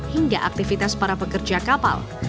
hingga aktivitas para pekerja kapal